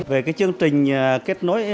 về cái chương trình kết nối